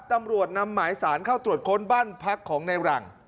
ตำรวจนำหมายสารเข้าตรวจค้นบ้านพักของในหลัง